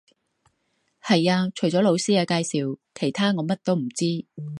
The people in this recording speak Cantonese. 係呀，除咗老師嘅介紹，其他我乜都唔知